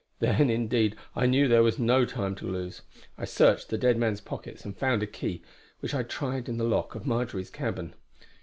Then indeed I knew there was no time to lose. I searched the dead man's pockets and found a key, which I tried in the lock of Marjory's cabin.